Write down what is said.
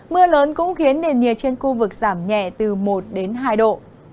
mưa lớn cũng khiến nền nhiệt trên khu vực giảm nhẹ từ một đến hai độ